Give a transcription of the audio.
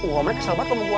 womanya kesel banget sama gua